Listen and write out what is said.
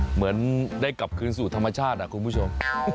เหมือนได้กลับคืนสู่ธรรมชาติคุณผู้ชม